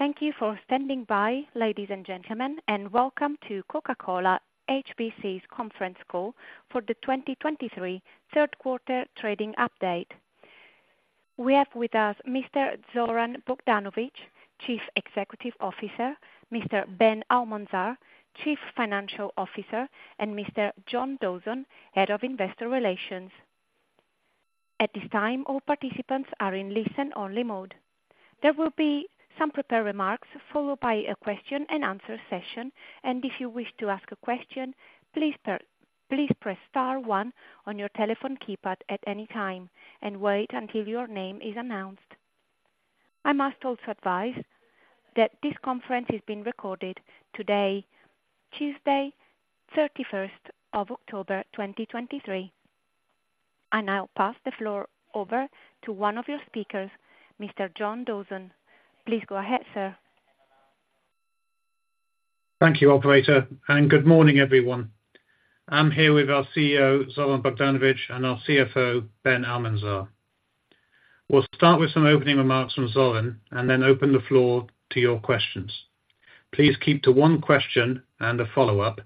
Thank you for standing by, ladies and gentlemen, and welcome to Coca-Cola HBC's conference call for the 2023 third quarter trading update. We have with us Mr. Zoran Bogdanovic, Chief Executive Officer, Mr. Ben Almanzar, Chief Financial Officer, and Mr. John Dawson, Head of Investor Relations. At this time, all participants are in listen-only mode. There will be some prepared remarks, followed by a question and answer session, and if you wish to ask a question, please press star one on your telephone keypad at any time and wait until your name is announced. I must also advise that this conference is being recorded today, Tuesday, October 31st, 2023. I now pass the floor over to one of your speakers, Mr. John Dawson. Please go ahead, sir. Thank you, Operator, and good morning, everyone. I'm here with our CEO Zoran Bogdanovic, and our CFO Ben Almanzar. We'll start with some opening remarks from Zoran and then open the floor to your questions. Please keep to one question and a follow-up,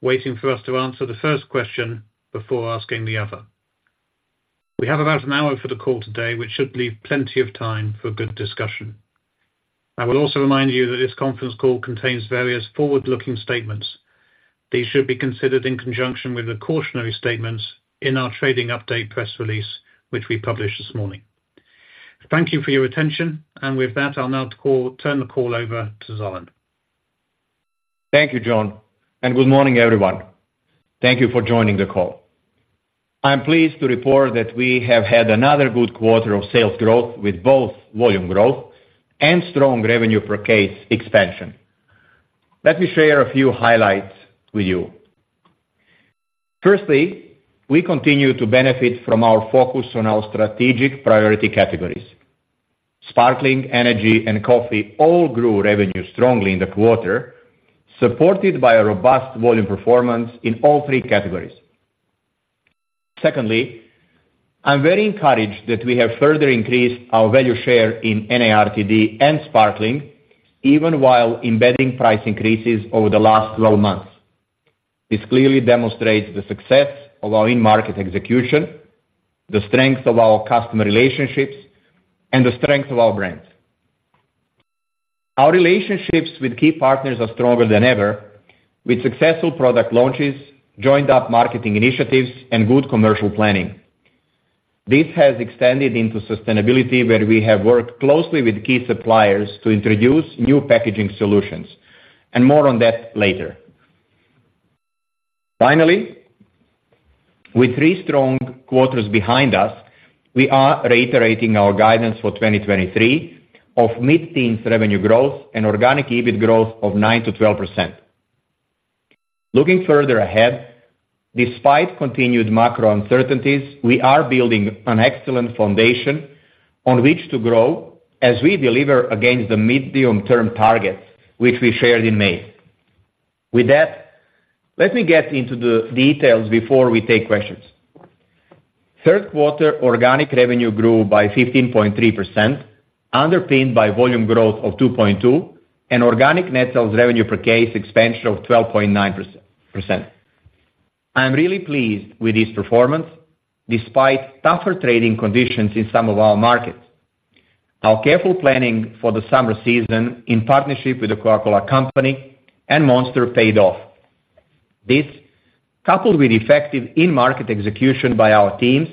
waiting for us to answer the first question before asking the other. We have about an hour for the call today, which should leave plenty of time for good discussion. I will also remind you that this conference call contains various forward-looking statements. These should be considered in conjunction with the cautionary statements in our trading update press release, which we published this morning. Thank you for your attention, and with that, I'll now turn the call over to Zoran. Thank you, John, and good morning, everyone. Thank you for joining the call. I'm pleased to report that we have had another good quarter of sales growth with both volume growth and strong revenue per case expansion. Let me share a few highlights with you. Firstly, we continue to benefit from our focus on our strategic priority categories. Sparkling, energy, and coffee all grew revenue strongly in the quarter, supported by a robust volume performance in all three categories. Secondly, I'm very encouraged that we have further increased our value share in NARTD and Sparkling, even while embedding price increases over the last 12 months. This clearly demonstrates the success of our in-market execution, the strength of our customer relationships, and the strength of our brand. Our relationships with key partners are stronger than ever, with successful product launches, joined-up marketing initiatives, and good commercial planning. This has extended into sustainability, where we have worked closely with key suppliers to introduce new packaging solutions, and more on that later. Finally, with three strong quarters behind us, we are reiterating our guidance for 2023 of mid-teens revenue growth and organic EBIT growth of 9%-12%. Looking further ahead, despite continued macro uncertainties, we are building an excellent foundation on which to grow as we deliver against the medium-term targets which we shared in May. With that, let me get into the details before we take questions. Third quarter organic revenue grew by 15.3%, underpinned by volume growth of 2.2 and organic net sales revenue per case expansion of 12.9%. I am really pleased with this performance, despite tougher trading conditions in some of our markets. Our careful planning for the summer season, in partnership with The Coca-Cola Company and Monster, paid off. This, coupled with effective in-market execution by our teams,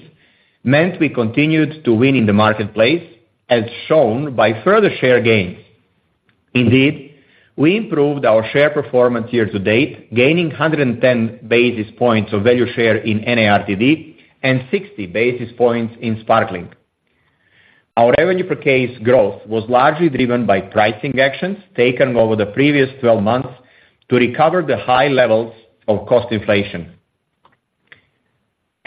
meant we continued to win in the marketplace, as shown by further share gains. Indeed, we improved our share performance year to date, gaining 110 basis points of value share in NARTD and 60 basis points in Sparkling. Our revenue per case growth was largely driven by pricing actions taken over the previous 12 months to recover the high levels of cost inflation.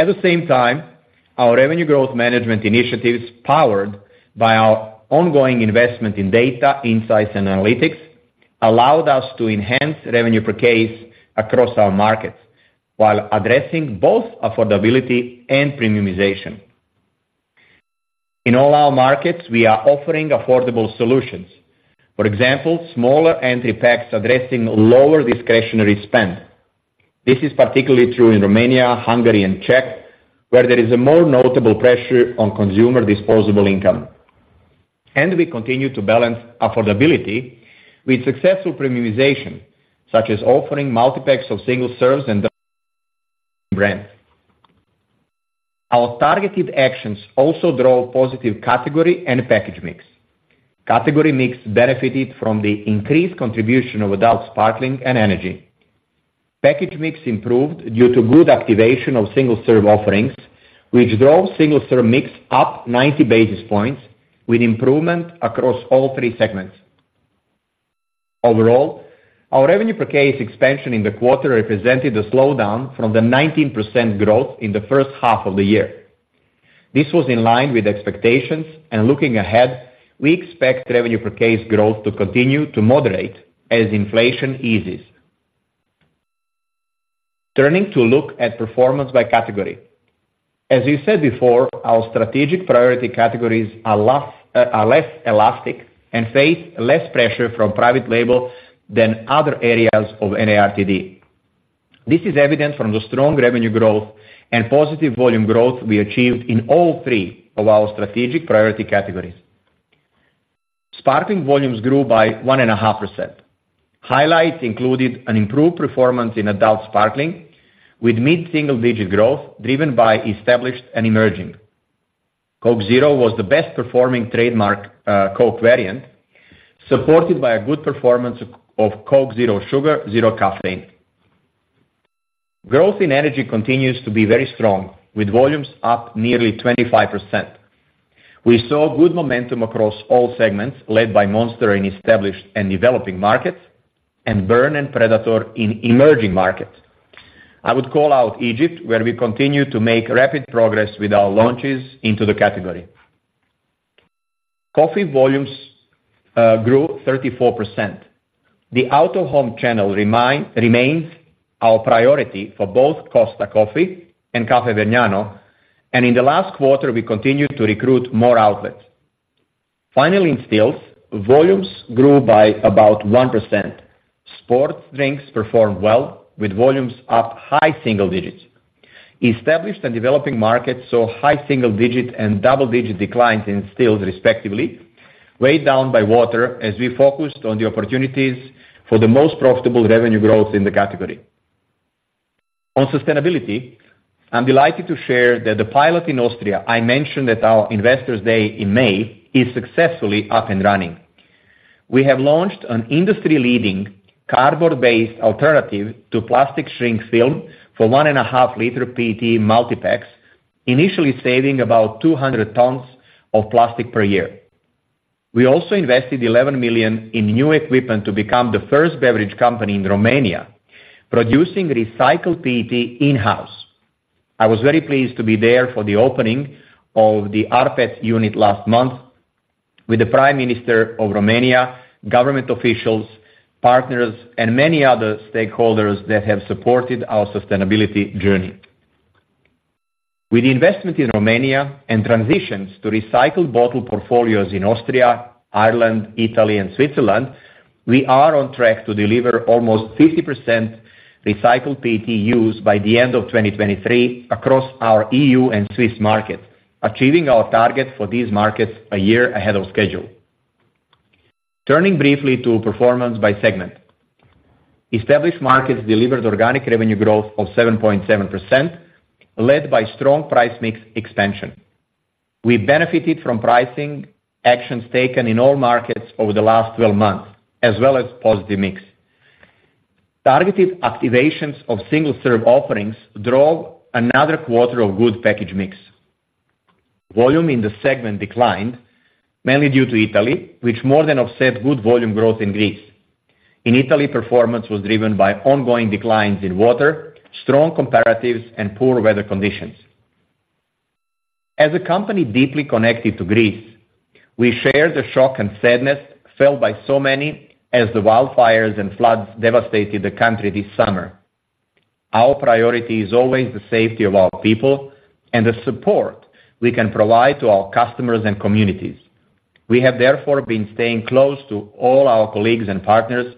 At the same time, our revenue growth management initiatives, powered by our ongoing investment in data, insights, and analytics, allowed us to enhance revenue per case across our markets while addressing both affordability and premiumization. In all our markets, we are offering affordable solutions. For example, smaller entry packs addressing lower discretionary spend. This is particularly true in Romania, Hungary, and Czech, where there is a more notable pressure on consumer disposable income. We continue to balance affordability with successful premiumization, such as offering multipacks of single serves and brands. Our targeted actions also drove positive category and package mix. Category mix benefited from the increased contribution of adult sparkling and energy. Package mix improved due to good activation of single serve offerings, which drove single serve mix up 90 basis points, with improvement across all three segments. Overall, our revenue per case expansion in the quarter represented a slowdown from the 19% growth in the first half of the year. This was in line with expectations, and looking ahead, we expect revenue per case growth to continue to moderate as inflation eases. Turning to look at performance by category. As we said before, our strategic priority categories are last, are less elastic and face less pressure from private label than other areas of NARTD. This is evident from the strong revenue growth and positive volume growth we achieved in all three of our strategic priority categories. Sparkling volumes grew by 1.5%. Highlights included an improved performance in adult sparkling, with mid-single-digit growth driven by established and emerging. Coke Zero was the best performing trademark Coke variant, supported by a good performance of Coke Zero Sugar Zero Caffeine. Growth in energy continues to be very strong, with volumes up nearly 25%. We saw good momentum across all segments, led by Monster in established and developing markets, and Burn and Predator in emerging markets. I would call out Egypt, where we continue to make rapid progress with our launches into the category. Coffee volumes grew 34%. The out-of-home channel remains our priority for both Costa Coffee and Caffè Vergnano, and in the last quarter, we continued to recruit more outlets. Finally, in stills, volumes grew by about 1%. Sports drinks performed well, with volumes up high single digits. Established and developing markets saw high single digit and double-digit declines in stills, respectively, weighed down by water as we focused on the opportunities for the most profitable revenue growth in the category. On sustainability, I'm delighted to share that the pilot in Austria I mentioned at our Investors Day in May is successfully up and running. We have launched an industry-leading cardboard-based alternative to plastic shrink film for 1.5L PET multipacks, initially saving about 200 tons of plastic per year. We also invested 11 million in new equipment to become the first beverage company in Romania, producing recycled PET in-house. I was very pleased to be there for the opening of the rPET unit last month with the Prime Minister of Romania, government officials, partners, and many other stakeholders that have supported our sustainability journey. With the investment in Romania and transitions to recycled bottle portfolios in Austria, Ireland, Italy, and Switzerland, we are on track to deliver almost 50% recycled PET use by the end of 2023 across our EU and Swiss markets, achieving our target for these markets a year ahead of schedule. Turning briefly to performance by segment. Established markets delivered organic revenue growth of 7.7%, led by strong price mix expansion. We benefited from pricing actions taken in all markets over the last 12 months, as well as positive mix. Targeted activations of single-serve offerings drove another quarter of good package mix. Volume in the segment declined, mainly due to Italy, which more than offset good volume growth in Greece. In Italy, performance was driven by ongoing declines in water, strong comparatives, and poor weather conditions. As a company deeply connected to Greece, we share the shock and sadness felt by so many as the wildfires and floods devastated the country this summer. Our priority is always the safety of our people and the support we can provide to our customers and communities. We have therefore been staying close to all our colleagues and partners,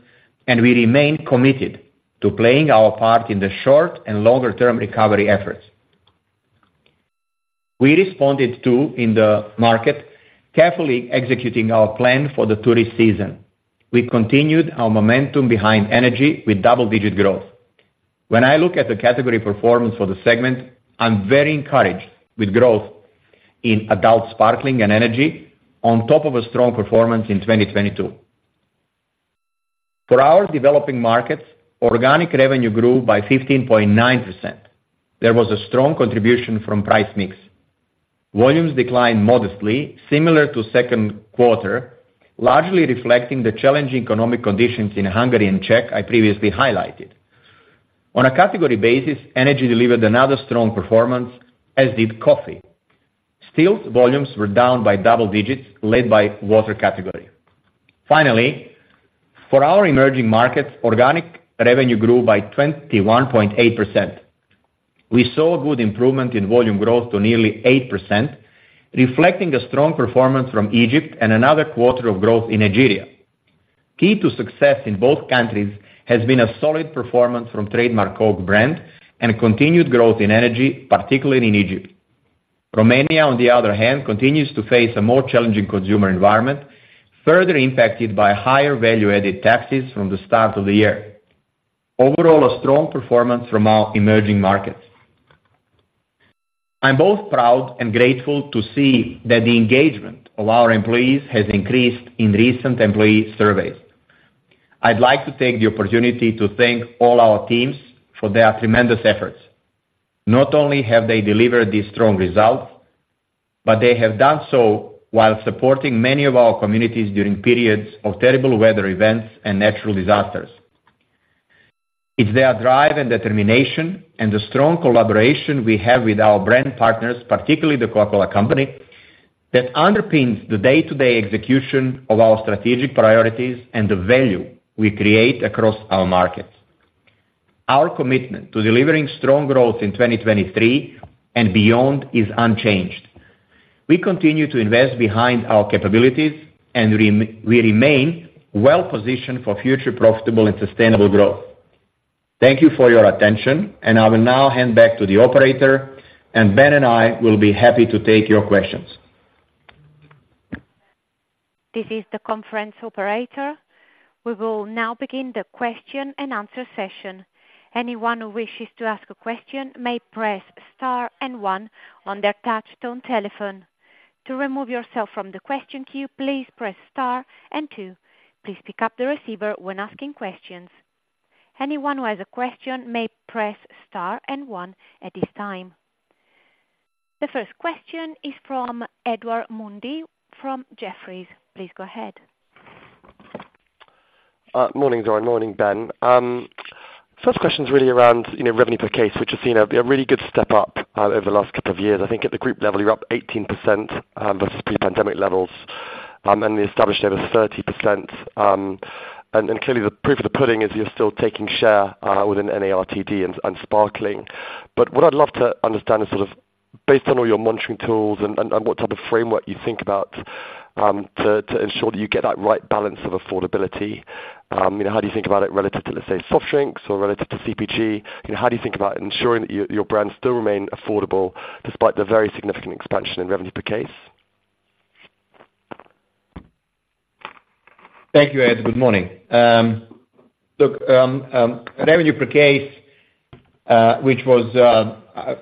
and we remain committed to playing our part in the short and longer-term recovery efforts. We responded, too, in the market, carefully executing our plan for the tourist season. We continued our momentum behind energy with double-digit growth. When I look at the category performance for the segment, I'm very encouraged with growth in adult sparkling and energy on top of a strong performance in 2022. For our developing markets, organic revenue grew by 15.9%. There was a strong contribution from price mix. Volumes declined modestly, similar to second quarter, largely reflecting the challenging economic conditions in Hungary and Czech Republic I previously highlighted. On a category basis, energy delivered another strong performance, as did coffee. Stills volumes were down by double digits, led by water category. Finally, for our emerging markets, organic revenue grew by 21.8%. We saw a good improvement in volume growth to nearly 8%, reflecting a strong performance from Egypt and another quarter of growth in Nigeria. Key to success in both countries has been a solid performance from trademark Coke brand and continued growth in energy, particularly in Egypt. Romania, on the other hand, continues to face a more challenging consumer environment, further impacted by higher value-added taxes from the start of the year. Overall, a strong performance from our emerging markets. I'm both proud and grateful to see that the engagement of our employees has increased in recent employee surveys. I'd like to take the opportunity to thank all our teams for their tremendous efforts. Not only have they delivered these strong results, but they have done so while supporting many of our communities during periods of terrible weather events and natural disasters. It's their drive and determination and the strong collaboration we have with our brand partners, particularly the Coca-Cola Company that underpins the day-to-day execution of our strategic priorities and the value we create across our markets. Our commitment to delivering strong growth in 2023 and beyond is unchanged. We continue to invest behind our capabilities, and we remain well positioned for future profitable and sustainable growth. Thank you for your attention, and I will now hand back to the operator, and Ben and I will be happy to take your questions. This is the conference operator. We will now begin the question and answer session. Anyone who wishes to ask a question may press star and one on their touchtone telephone. To remove yourself from the question queue, please press star and two. Please pick up the receiver when asking questions. Anyone who has a question may press star and one at this time. The first question is from Edward Mundy from Jefferies. Please go ahead. Morning, Zoran. Morning, Ben. First question is really around, you know, revenue per case, which has seen a really good step up over the last couple of years. I think at the group level, you're up 18%, versus pre-pandemic levels, and the established over 30%. And clearly the proof of the pudding is you're still taking share within NARTD and Sparkling. But what I'd love to understand is sort of based on all your monitoring tools and what type of framework you think about to ensure that you get that right balance of affordability, you know, how do you think about it relative to, let's say, soft drinks or relative to CPG? You know, how do you think about ensuring that your, your brands still remain affordable despite the very significant expansion in revenue per case? Thank you, Ed. Good morning. Look, revenue per case, which was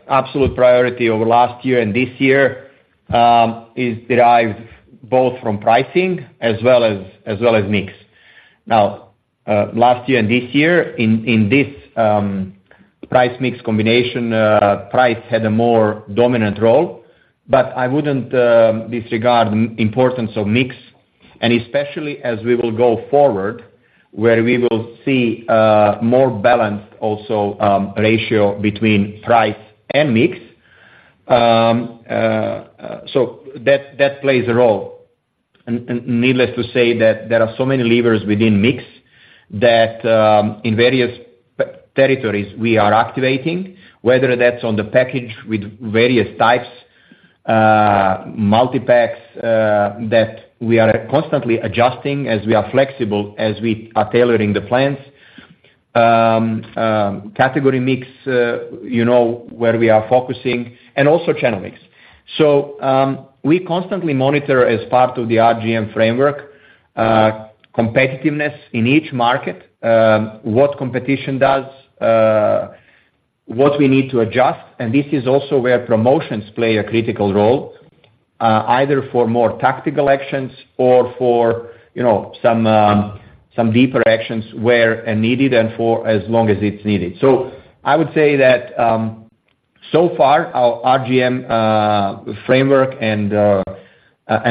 absolute priority over last year and this year, is derived both from pricing as well as mix. Now, last year and this year, in this price mix combination, price had a more dominant role, but I wouldn't disregard the importance of mix, and especially as we will go forward, where we will see more balanced also ratio between price and mix. So that plays a role. Needless to say that there are so many levers within mix that, in various territories we are activating, whether that's on the package with various types, multipacks, that we are constantly adjusting as we are flexible, as we are tailoring the plans. Category mix, you know, where we are focusing and also channel mix. So, we constantly monitor, as part of the RGM framework, competitiveness in each market, what competition does, what we need to adjust, and this is also where promotions play a critical role, either for more tactical actions or for, you know, some deeper actions where and needed and for as long as it's needed. So I would say that, so far, our RGM framework and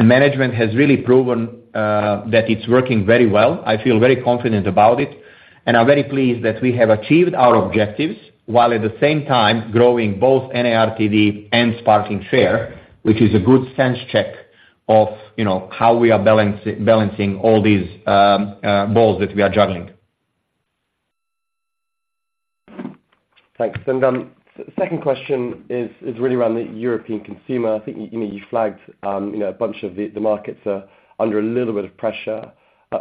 management has really proven that it's working very well. I feel very confident about it, and I'm very pleased that we have achieved our objectives, while at the same time growing both NARTD and Sparkling share, which is a good sense check of, you know, how we are balancing all these balls that we are juggling. Thanks. Second question is really around the European consumer. I think, you know, you flagged, you know, a bunch of the markets are under a little bit of pressure.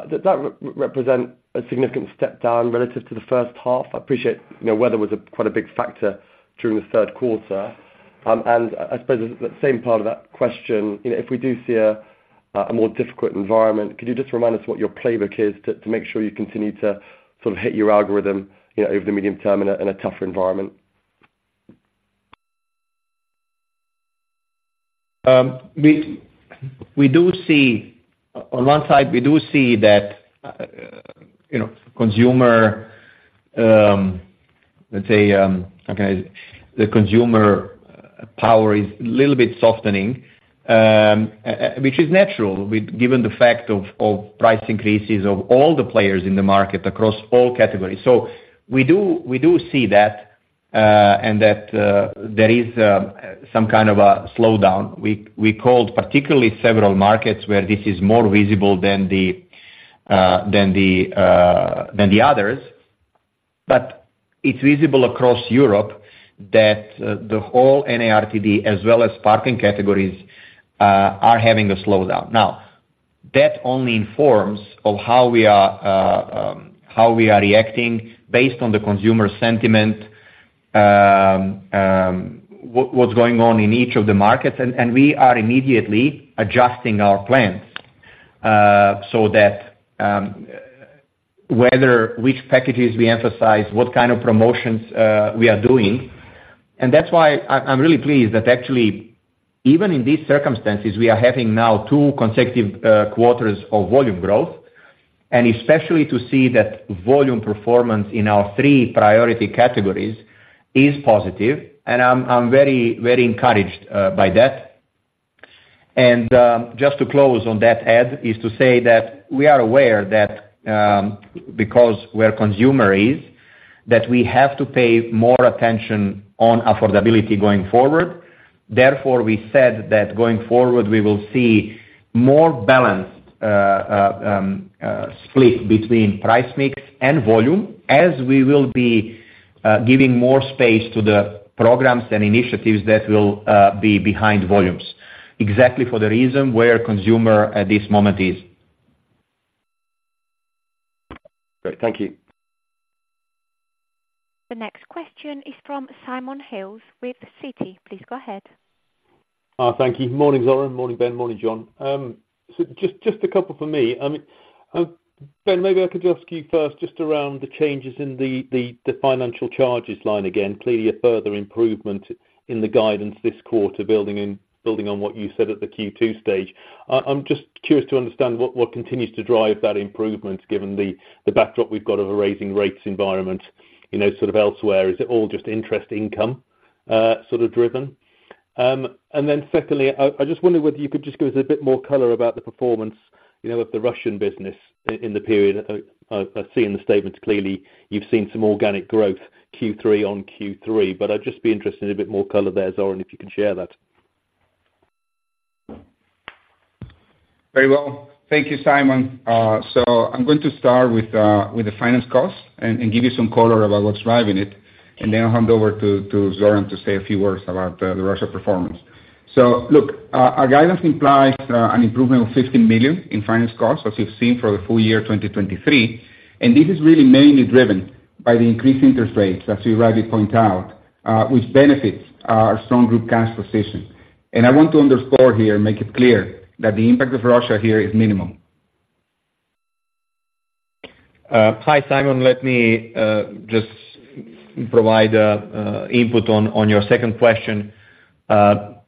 Does that represent a significant step down relative to the first half? I appreciate, you know, weather was quite a big factor during the third quarter. I suppose the same part of that question, you know, if we do see a more difficult environment, could you just remind us what your playbook is to make sure you continue to sort of hit your algorithm, you know, over the medium term in a tougher environment? We do see. On one side, we do see that, you know, consumer, let's say, the consumer power is a little bit softening, which is natural, given the fact of price increases of all the players in the market, across all categories. So we do see that, and that there is some kind of a slowdown. We called particularly several markets where this is more visible than the others. But it's visible across Europe that the whole NARTD, as well as sparkling categories, are having a slowdown. Now, that only informs of how we are reacting based on the consumer sentiment, what's going on in each of the markets, and we are immediately adjusting our plans, so that which packages we emphasize, what kind of promotions we are doing, and that's why I'm really pleased that actually, even in these circumstances, we are having now two consecutive quarters of volume growth, and especially to see that volume performance in our three priority categories is positive, and I'm very, very encouraged by that. And just to close on that, Ed, is to say that we are aware that because where consumer is that we have to pay more attention on affordability going forward. Therefore, we said that going forward, we will see more balanced split between price mix and volume, as we will be giving more space to the programs and initiatives that will be behind volumes, exactly for the reason where consumer at this moment is. Great. Thank you. The next question is from Simon Hales with Citi. Please go ahead. Thank you. Morning, Zoran, morning, Ben, morning, John. So just a couple for me. I mean, Ben, maybe I could just ask you first, just around the changes in the financial charges line again, clearly a further improvement in the guidance this quarter, building on what you said at the Q2 stage. I'm just curious to understand what continues to drive that improvement, given the backdrop we've got of a raising rates environment, you know, sort of elsewhere, is it all just interest income, sort of driven? And then secondly, I just wonder whether you could just give us a bit more color about the performance, you know, of the Russian business in the period. I've seen the statements, clearly you've seen some organic growth, Q3 on Q3, but I'd just be interested in a bit more color there, Zoran, if you can share that. Very well. Thank you, Simon. So I'm going to start with the, with the finance cost and, and give you some color about what's driving it, and then I'll hand over to, to Zoran to say a few words about, the Russia performance. So look, our guidance implies, an improvement of 15 million in finance costs, as you've seen for the full year 2023, and this is really mainly driven by the increased interest rates, as you rightly point out, which benefits our strong group cash position. And I want to underscore here, and make it clear, that the impact of Russia here is minimum. Hi, Simon, let me just provide input on your second question.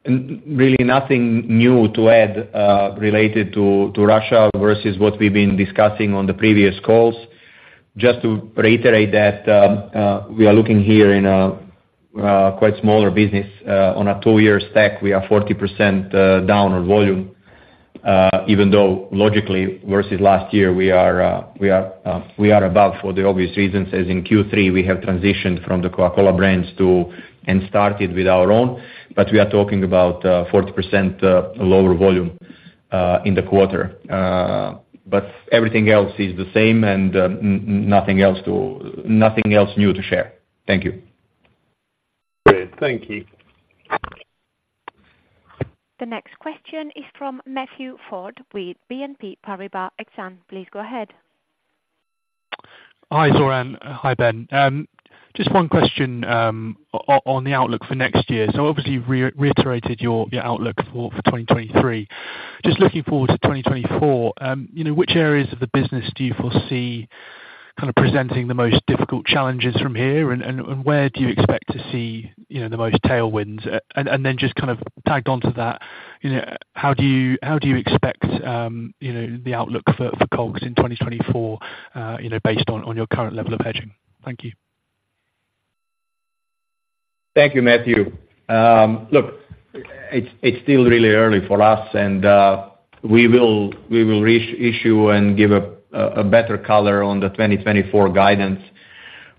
Really nothing new to add related to Russia versus what we've been discussing on the previous calls. Just to reiterate that, we are looking here in a quite smaller business, on a two-year stack, we are 40% down on volume. Even though logically versus last year, we are above for the obvious reasons, as in Q3, we have transitioned from the Coca-Cola brands to, and started with our own, but we are talking about 40% lower volume in the quarter. But everything else is the same, and nothing else new to share. Thank you. Great, thank you. The next question is from Matthew Ford with BNP Paribas Exane. Please go ahead. Hi, Zoran. Hi, Ben. Just one question, on the outlook for next year. So obviously you reiterated your outlook for 2023. Just looking forward to 2024, you know, which areas of the business do you foresee kind of presenting the most difficult challenges from here, and where do you expect to see, you know, the most tailwinds? And then just kind of tagged onto that, you know, how do you expect, you know, the outlook for COGS in 2024, you know, based on your current level of hedging? Thank you. Thank you, Matthew. Look, it's still really early for us, and we will re-issue and give a better color on the 2024 guidance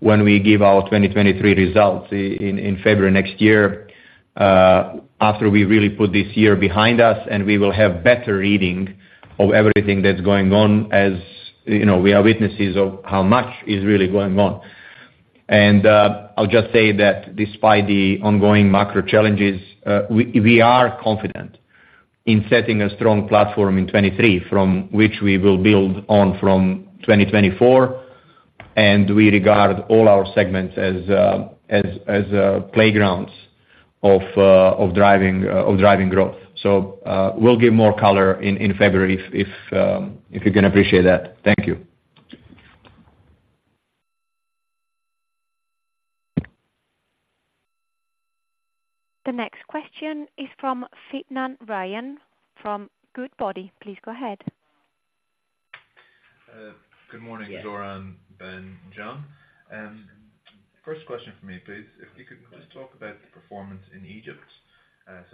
when we give our 2023 results in February next year, after we really put this year behind us, and we will have better reading of everything that's going on, as you know, we are witnesses of how much is really going on. I'll just say that despite the ongoing macro challenges, we are confident in setting a strong platform in 2023, from which we will build on from 2024, and we regard all our segments as playgrounds of driving growth. So, we'll give more color in February, if you can appreciate that. Thank you. The next question is from Fintan Ryan from Goodbody. Please go ahead. Good morning, Zoran, Yes. Ben, John. First question for me, please, if you could just talk about the performance in Egypt,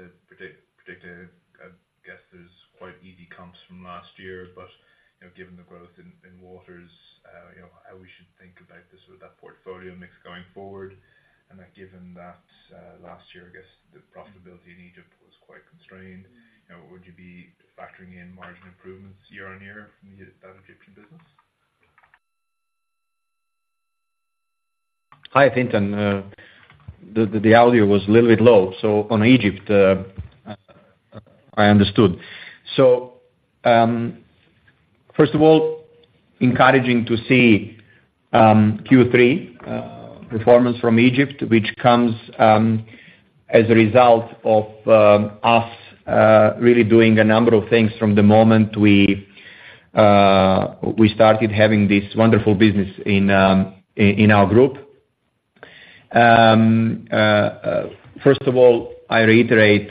to predict, I guess there's quite easy comps from last year, but, you know, given the growth in, in waters, you know, how we should think about this with that portfolio mix going forward, and then given that, last year, I guess the profitability in Egypt was quite constrained, you know, would you be factoring in margin improvements year on year from that Egyptian business? Hi, Fintan, the audio was a little bit low, so on Egypt, I understood. So, first of all, encouraging to see Q3 performance from Egypt, which comes as a result of us really doing a number of things from the moment we started having this wonderful business in our group. First of all, I reiterate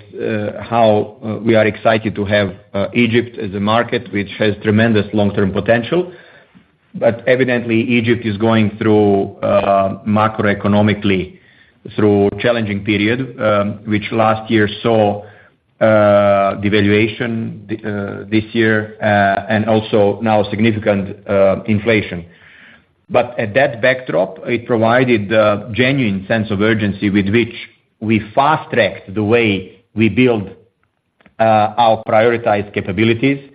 how we are excited to have Egypt as a market, which has tremendous long-term potential, but evidently, Egypt is going through macroeconomically through challenging period, which last year saw devaluation this year and also now significant inflation. But at that backdrop, it provided a genuine sense of urgency with which we fast-tracked the way we build our prioritized capabilities,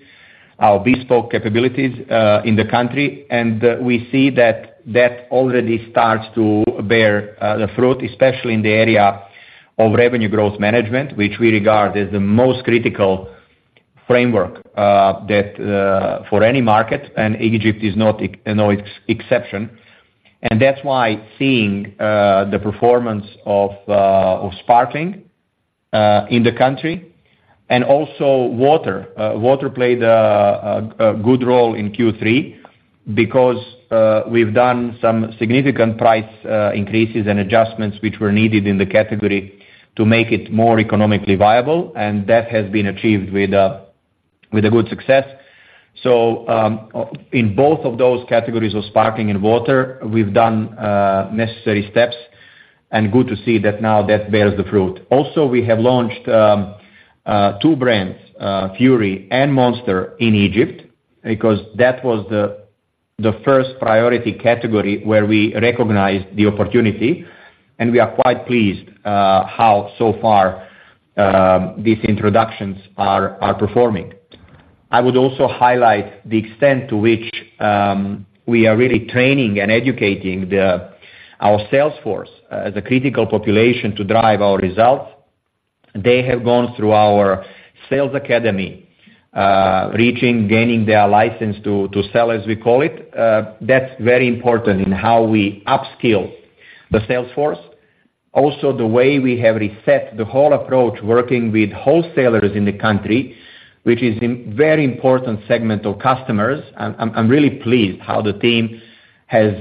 our bespoke capabilities in the country. And, we see that that already starts to bear the fruit, especially in the area of revenue growth management, which we regard as the most critical framework that for any market, and Egypt is not exception. And that's why seeing the performance of, of Sparkling in the country and also Water. Water played a good role in Q3 because we've done some significant price increases and adjustments which were needed in the category to make it more economically viable, and that has been achieved with a good success. So, in both of those categories of Sparkling and Water, we've done necessary steps, and good to see that now that bears the fruit. Also, we have launched two brands, Fury and Monster in Egypt, because that was the first priority category where we recognized the opportunity, and we are quite pleased how so far these introductions are performing. I would also highlight the extent to which we are really training and educating our sales force as a critical population to drive our results. They have gone through our Sales Academy, reaching gaining their License to Sell, as we call it. That's very important in how we upskill the sales force. Also, the way we have reset the whole approach, working with wholesalers in the country, which is a very important segment of customers, I'm really pleased how the team has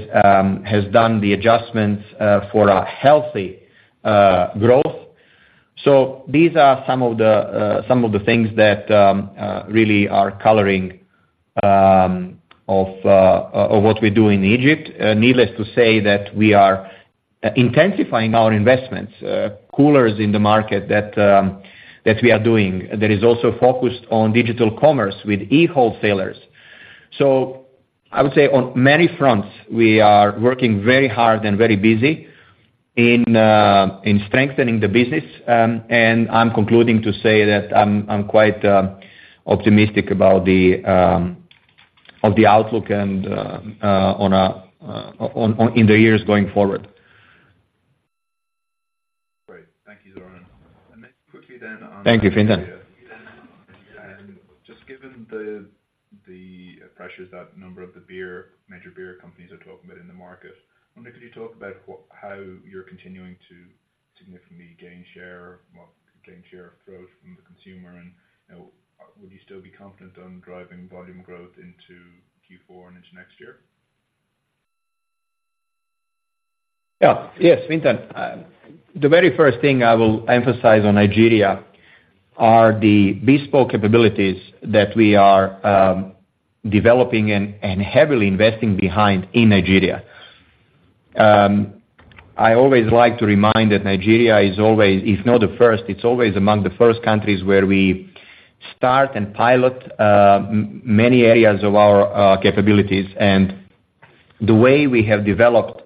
done the adjustments for a healthy growth. So these are some of the, some of the things that really are coloring of, of what we do in Egypt. Needless to say, that we are intensifying our investments, coolers in the market that, that we are doing. There is also focused on digital commerce with e-wholesalers. So I would say on many fronts, we are working very hard and very busy in, in strengthening the business. And I'm concluding to say that I'm, quite, optimistic about the, of the outlook and, on a, on, on... in the years going forward. Great. Thank you, Zoran. And then quickly then on- Thank you, Fintan. Just given the pressures that a number of the major beer companies are talking about in the market, I wonder could you talk about how you're continuing to significantly gain share, well, gain share growth from the consumer? You know, would you still be confident on driving volume growth into Q4 and into next year? Yeah. Yes, Fintan. The very first thing I will emphasize on Nigeria are the bespoke capabilities that we are developing and heavily investing behind in Nigeria. I always like to remind that Nigeria is always, if not the first, it's always among the first countries where we start and pilot many areas of our capabilities. And the way we have developed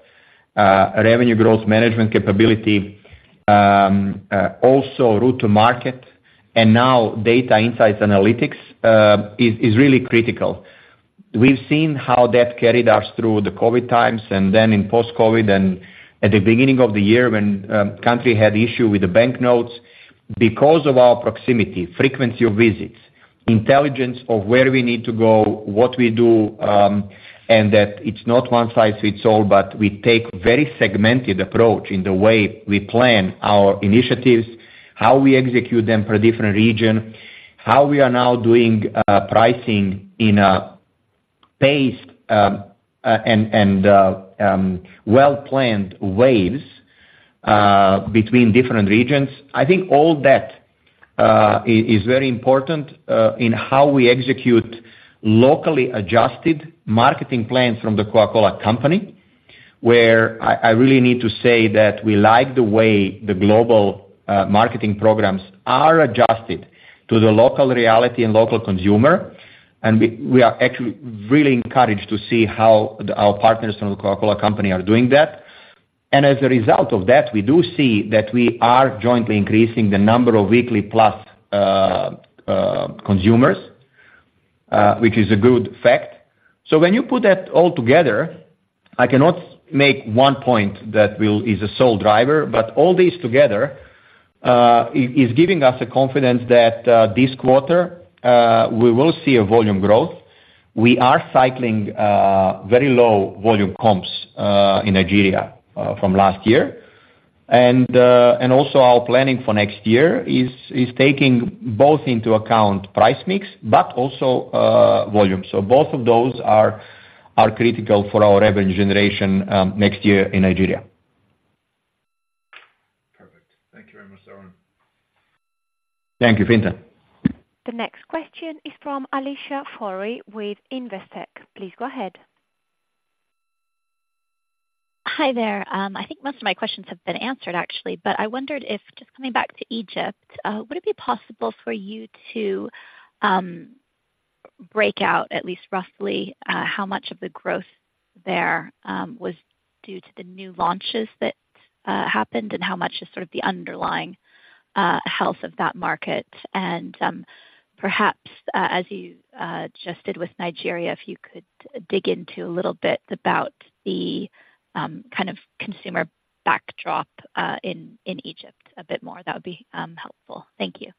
revenue growth management capability, also route to market and now data insights analytics, is really critical. We've seen how that carried us through the COVID times and then in post-COVID, and at the beginning of the year, when country had issue with the banknotes, because of our proximity, frequency of visits, intelligence of where we need to go, what we do, and that it's not one size fits all, but we take very segmented approach in the way we plan our initiatives, how we execute them per different region, how we are now doing pricing in a paced and well-planned waves between different regions. I think all that is very important in how we execute locally adjusted marketing plans from the Coca-Cola Company, where I really need to say that we like the way the global marketing programs are adjusted to the local reality and local consumer, and we are actually really encouraged to see how our partners from the Coca-Cola Company are doing that. And as a result of that, we do see that we are jointly increasing the number of weekly plus consumers, which is a good fact. So when you put that all together, I cannot make one point that will... is a sole driver, but all these together is giving us the confidence that this quarter we will see a volume growth. We are cycling very low volume comps in Nigeria from last year. And also our planning for next year is taking both into account price mix but also volume. So both of those are critical for our revenue generation next year in Nigeria. Perfect. Thank you very much, Zoran. Thank you, Fintan. The next question is from Alicia Forry with Investec. Please go ahead. Hi there. I think most of my questions have been answered actually, but I wondered if, just coming back to Egypt, would it be possible for you to break out at least roughly how much of the growth there was due to the new launches that happened, and how much is sort of the underlying health of that market? And, perhaps, as you just did with Nigeria, if you could dig into a little bit about the kind of consumer backdrop in Egypt a bit more, that would be helpful. Thank you.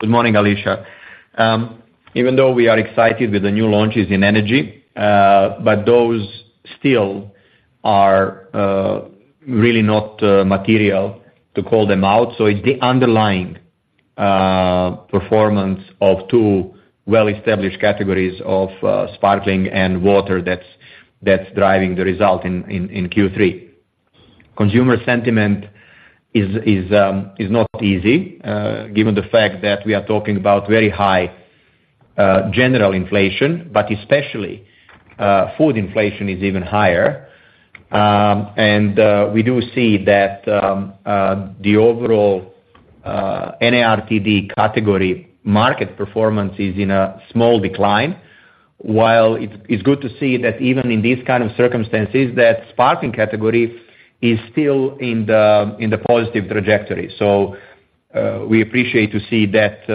Good morning, Alicia. Even though we are excited with the new launches in energy, but those still are really not material to call them out, so it's the underlying performance of two well-established categories of sparkling and water that's driving the result in Q3. Consumer sentiment is not easy, given the fact that we are talking about very high general inflation, but especially food inflation is even higher. And we do see that the overall NARTD category market performance is in a small decline. While it's good to see that even in these kind of circumstances, that sparkling category is still in the positive trajectory. So, we appreciate to see that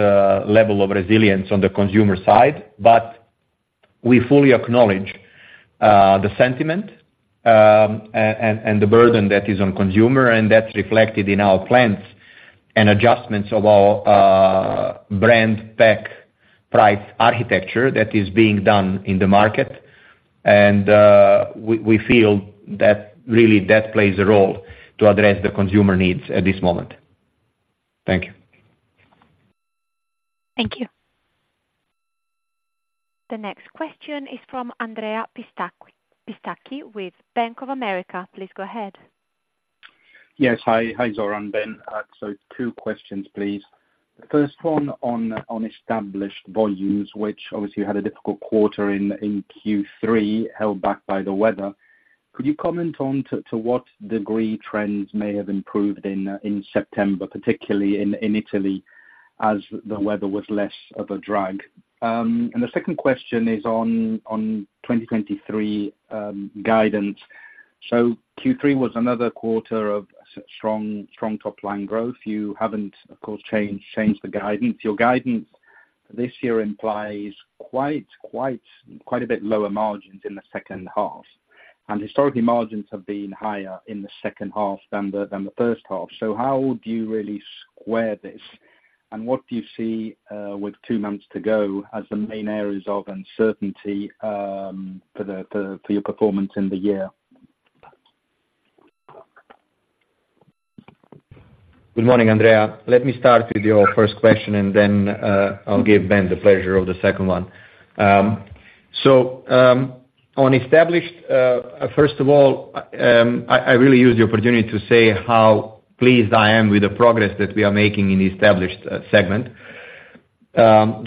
level of resilience on the consumer side, but we fully acknowledge the sentiment and the burden that is on consumer, and that's reflected in our plans and adjustments of our brand pack price architecture that is being done in the market. We feel that really that plays a role to address the consumer needs at this moment. Thank you. Thank you. The next question is from Andrea Pistacchi, Pistacchi with Bank of America. Please go ahead. Yes, hi. Hi, Zoran, Ben. So two questions, please. The first one on established volumes, which obviously you had a difficult quarter in Q3, held back by the weather. Could you comment on to what degree trends may have improved in September, particularly in Italy, as the weather was less of a drag? And the second question is on 2023 guidance. So Q3 was another quarter of strong top line growth. You haven't, of course, changed the guidance. Your guidance this year implies quite a bit lower margins in the second half, and historically, margins have been higher in the second half than the first half. So how do you really square this, and what do you see with two months to go as the main areas of uncertainty for your performance in the year? Good morning, Andrea. Let me start with your first question, and then I'll give Ben the pleasure of the second one. So, on established, first of all, I really use the opportunity to say how pleased I am with the progress that we are making in the established segment.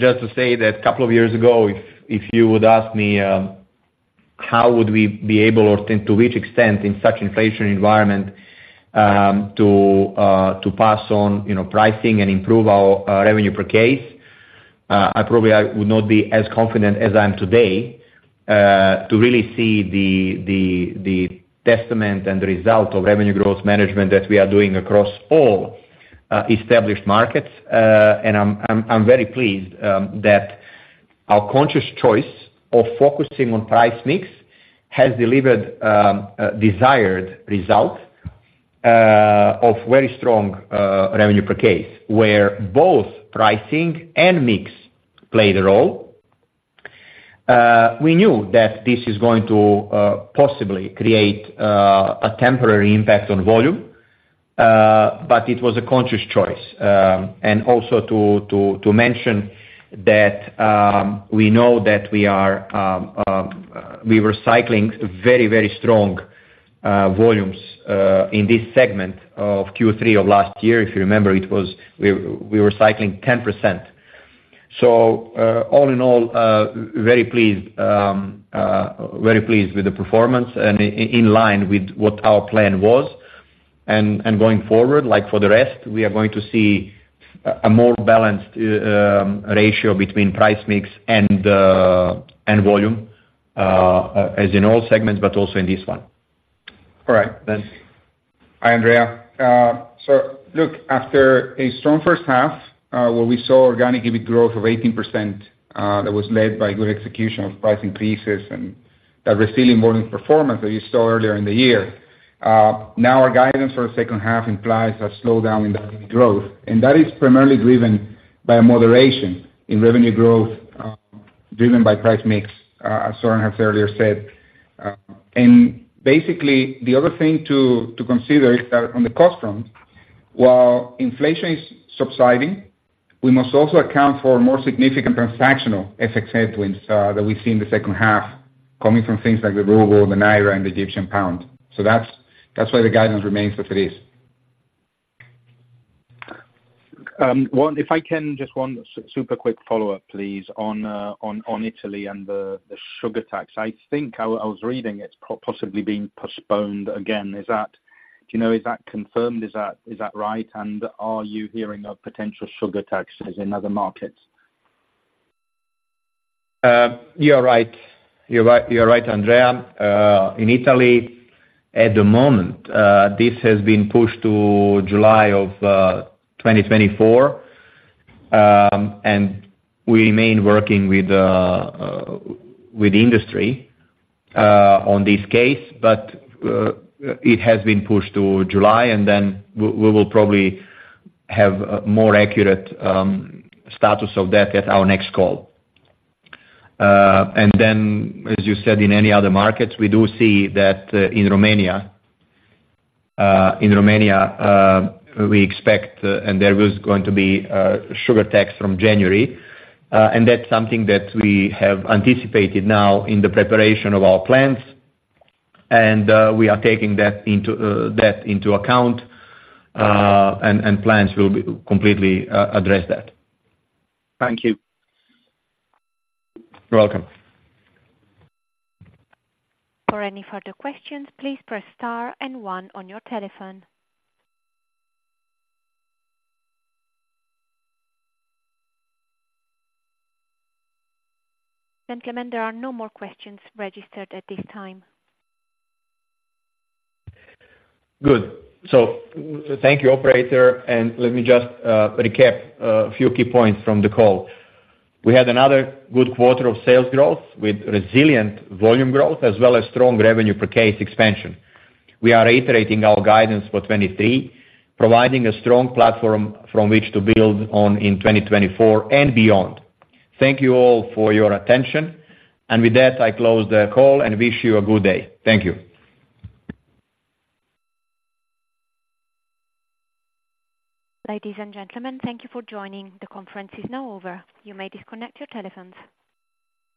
Just to say that couple of years ago, if you would ask me how would we be able, or to which extent in such inflation environment, to pass on, you know, pricing and improve our revenue per case, I probably would not be as confident as I am today to really see the testament and the result of Revenue Growth Management that we are doing across all established markets. And I'm very pleased that our conscious choice of focusing on price mix has delivered a desired result of very strong revenue per case, where both pricing and mix play the role. We knew that this is going to possibly create a temporary impact on volume, but it was a conscious choice. And also to mention that we know that we were cycling very, very strong volumes in this segment of Q3 of last year. If you remember, it was we were cycling 10%. So, all in all, very pleased very pleased with the performance and in line with what our plan was. Going forward, like for the rest, we are going to see a more balanced ratio between price mix and volume, as in all segments, but also in this one. All right, then. Hi, Andrea. So look, after a strong first half, where we saw organic EBIT growth of 18%, that was led by good execution of price increases and that resilient volume performance that you saw earlier in the year, now our guidance for the second half implies a slowdown in the revenue growth, and that is primarily driven by a moderation in revenue growth, driven by price mix, as Zoran has earlier said. And basically, the other thing to consider is that on the cost front, while inflation is subsiding, we must also account for more significant transactional FX headwinds, that we see in the second half, coming from things like the Russian ruble, the Nigerian naira and the Egyptian pound. So that's why the guidance remains as it is. One, if I can just one super quick follow-up, please, on, on Italy and the sugar tax. I think I was reading it's possibly being postponed again. Is that, do you know, is that confirmed? Is that right? And are you hearing of potential sugar taxes in other markets? You are right. You're right, you're right, Andrea. In Italy, at the moment, this has been pushed to July of 2024. And we remain working with industry on this case, but it has been pushed to July, and then we will probably have more accurate status of that at our next call. And then, as you said, in any other markets, we do see that in Romania we expect, and there was going to be sugar tax from January, and that's something that we have anticipated now in the preparation of our plans, and we are taking that into that into account, and plans will be completely address that. Thank you. You're welcome. For any further questions, please press star and one on your telephone. Gentlemen, there are no more questions registered at this time. Good. So thank you, Operator, and let me just recap a few key points from the call. We had another good quarter of sales growth with resilient volume growth, as well as strong revenue per case expansion. We are iterating our guidance for 2023, providing a strong platform from which to build on in 2024 and beyond. Thank you all for your attention, and with that, I close the call and wish you a good day. Thank you. Ladies and gentlemen, thank you for joining. The conference is now over. You may disconnect your telephones.